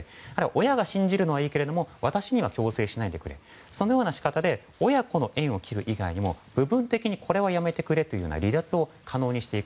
親が信じるのはいいけど私には強制しないでくれとかそのような仕方で親子の縁を切る以外にも部分的にこれはやめてくれという離脱を可能にしていく。